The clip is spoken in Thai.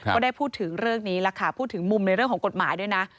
ก็ได้พูดถึงเรื่องนี้แหละค่ะพูดถึงมุมในเรื่องของกฎหมายด้วยนะ